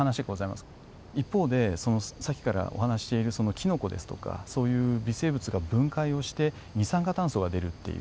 一方でさっきからお話ししているキノコですとかそういう微生物が分解をして二酸化炭素が出るっていう。